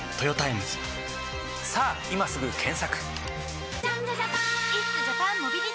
さぁ今すぐ検索！